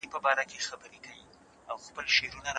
که په تعلیم کې بریا وي، نو ټولنه به سربلند وي.